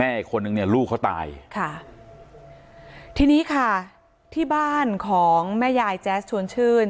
อีกคนนึงเนี่ยลูกเขาตายค่ะทีนี้ค่ะที่บ้านของแม่ยายแจ๊สชวนชื่น